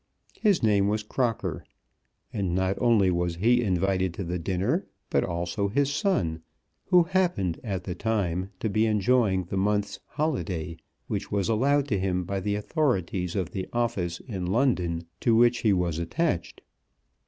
His name was Crocker; and not only was he invited to the dinner, but also his son, who happened at the time to be enjoying the month's holiday which was allowed to him by the authorities of the office in London to which he was attached.